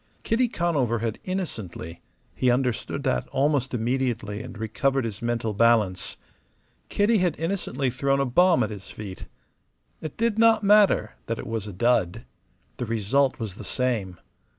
Kitty Conover had innocently he understood that almost immediately and recovered his mental balance Kitty had innocently thrown a bomb at his feet. It did not matter that it was a dud. The result was the same.